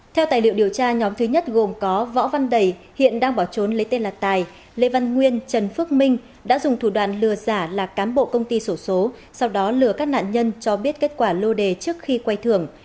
theo tài liệu điều tra nhóm thứ nhất gồm có võ văn đầy hiện đang bỏ trốn lấy tên là tài lê văn nguyên trần phước minh đã dùng thủ đoạn lừa giả là cán bộ công ty sổ số sau đó lừa các nạn nhân cho biết kết quả lô đề trước khi quay thưởng